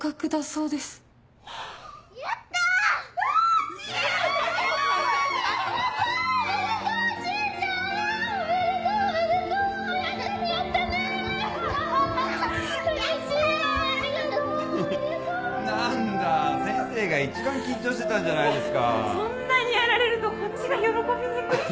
そんなにやられるとこっちが喜びにくいし。